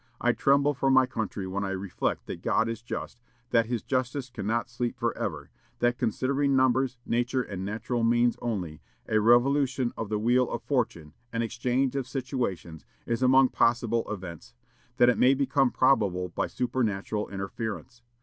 I tremble for my country when I reflect that God is just; that his justice cannot sleep forever; that, considering numbers, nature, and natural means only, a revolution of the wheel of fortune, an exchange of situations, is among possible events; that it may become probable by supernatural interference!